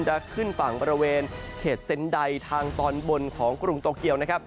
จะขึ้นฝั่งบริเวณเขตเซ็นไดทางตอนบนของกรุงโตเกียวนะครับ